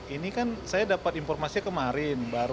ini kan saya dapat informasinya kemarin